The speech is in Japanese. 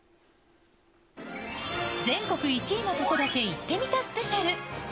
全国１位のとこだけ行ってみたスペシャル。